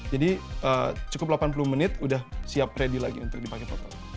jadi cukup delapan puluh menit udah siap ready lagi untuk dipake foto